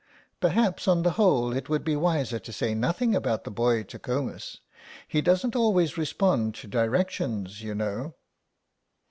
"Perhaps on the whole it would be wiser to say nothing about the boy to Comus. He doesn't always respond to directions you know."